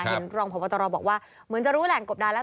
เห็นรองพบตรบอกว่าเหมือนจะรู้แหล่งกบดานแล้ว